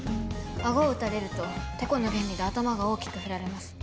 あごを打たれるとてこの原理で頭が大きく振られます。